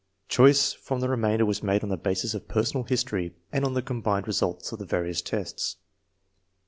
Choice from the re mainder was made on the basis of personal history, and on the combined results of the various tests.